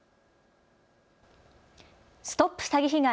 ＳＴＯＰ詐欺被害！